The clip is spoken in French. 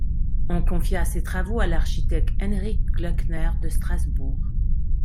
On confia ces travaux à l’architecte Heinrich Gloeckner de Strasbourg.